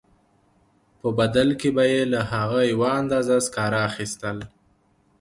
په بدل کې به یې له هغه یوه اندازه سکاره اخیستل